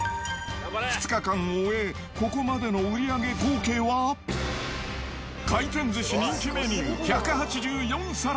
２日間を終え、ここまでの売り上げ合計は、回転寿司、人気メニュー１８４皿。